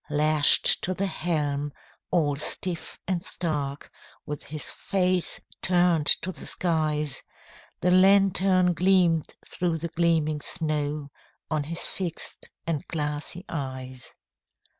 Lashed to the helm, all stiff and stark, With his face turned to the skies, The lantern gleamed through the gleaming snow On his fixed and glassy eyes.